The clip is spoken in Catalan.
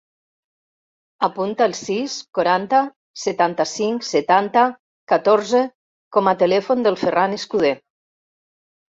Apunta el sis, quaranta, setanta-cinc, setanta, catorze com a telèfon del Ferran Escuder.